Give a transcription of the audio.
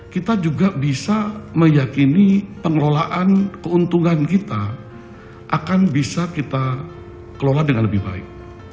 kita juga bisa meyakini pengelolaan keuntungan kita akan bisa kita kelola dengan lebih baik